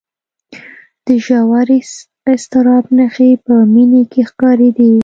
د ژور اضطراب نښې په مينې کې ښکارېدې